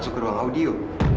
masuk ke ruang audio